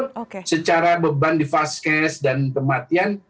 meskipun secara beban di fast cash dan kematian